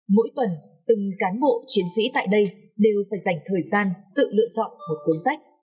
mỗi tuần từng cán bộ chiến sĩ tại đây đều phải dành thời gian tự lựa chọn một cuốn sách